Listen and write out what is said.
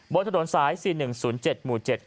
บนถนนสาย๔๑๐๗หมู่๗